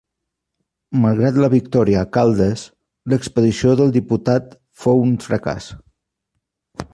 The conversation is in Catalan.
Malgrat la victòria a Caldes, l'expedició del Diputat fou un fracàs.